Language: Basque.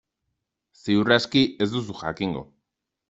Ziur aski ez duzu jakingo.